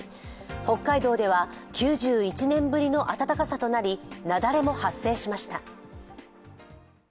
北海道では９１年ぶりの暖かさとなり雪崩も発生しました。